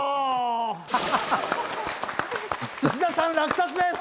土田さん落札です！